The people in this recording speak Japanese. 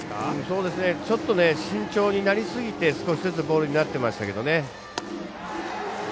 ちょっと慎重になりすぎて少しずつボールになっていましたけどね。